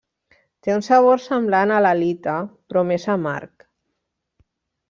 Té un sabor semblant a l'halita però més amarg.